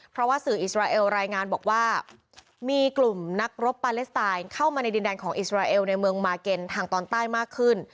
เพราะว่าสื่ออิสราเอลรายงานบอกว่ามีกลุ่มนักรบปาเลสไตน์เข้ามาในดินแดนของอิสราเอลในเมืองมาเก็นทางตอนใต้มากขึ้น